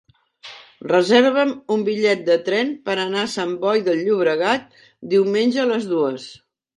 Reserva'm un bitllet de tren per anar a Sant Boi de Llobregat diumenge a les dues.